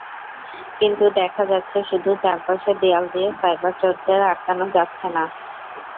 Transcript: কিন্তু দেখা যাচ্ছে, শুধু চারপাশের দেয়াল দিয়ে সাইবার চোরদের আটকানো যাচ্ছে না।